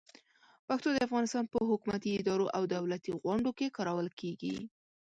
پښتو د افغانستان په حکومتي ادارو او دولتي غونډو کې کارول کېږي.